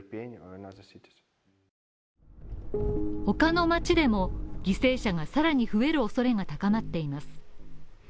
他の街でも犠牲者が更に増えるおそれが高まっています。